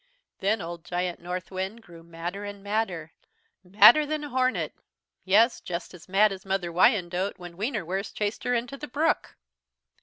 "Then old Giant Northwind grew madder and madder, madder than a hornet, yes, just as mad as Mother Wyandotte when Wienerwurst chased her into the brook.